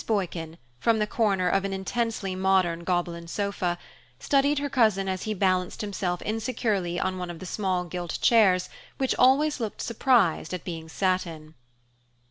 Boykin, from the corner of an intensely modern Gobelin sofa, studied her cousin as he balanced himself insecurely on one of the small gilt chairs which always look surprised at being sat in.